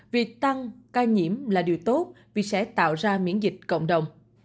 việc tăng ca nhiễm là điều tốt vì sẽ tạo ra miễn dịch cộng đồng